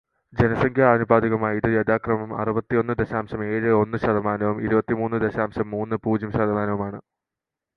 ജനസംഖ്യാനുപാതികമായി ഇത് യഥാക്രമം അറുപത്തിയൊന്ന് ദശാംശം ഏഴ് ഒന്ന് ശതമാനവും ഇരുപത്തിമൂന്ന് ദശാമ്ശം മൂന്ന് പൂജ്യം ശതമാനവുമാണ്.